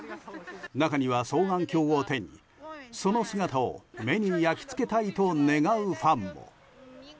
中には双眼鏡を手に、その姿を目に焼き付けたいと願うファンも。